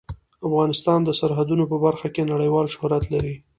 افغانستان د سرحدونه په برخه کې نړیوال شهرت لري.